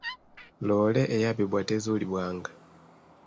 Loole eyabbibwa tezuulibwanga.